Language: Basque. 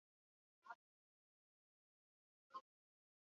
Astean bi egunetan soilik egiten dituzte azterketak, lanuzteen ondorioz.